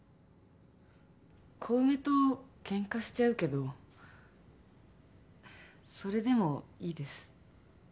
小梅とけんかしちゃうけどそれでもいいです。